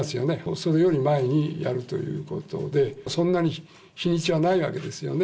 それより前にやるということで、そんなに日にちはないわけですよね。